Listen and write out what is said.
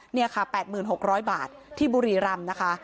นี่ค่ะ๘๖๐๐บาทที่บุรีรำนะคะ